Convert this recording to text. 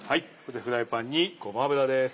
フライパンにごま油です。